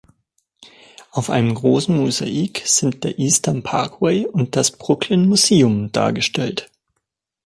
Auf einem großen Mosaik sind der Eastern Parkway und das „Brooklyn Museum“ dargestellt.